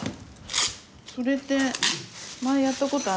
それって前やったことある？